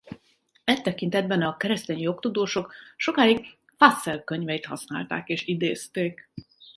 E tekintetben a keresztény jogtudósok sokáig Fassel könyveit használták és idézték.